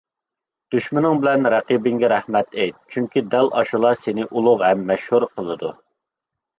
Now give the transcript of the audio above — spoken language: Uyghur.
دۈشمىنىڭ بىلەن رەقىبىڭگە رەھمەت ئېيت. چۈنكى دەل ئاشۇلا سېنى ئۇلۇغ ھەم مەشھۇر قىلىدۇ.